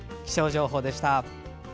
気象情報でした。